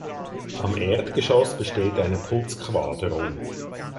Am Erdgeschoss besteht eine Putzquaderung.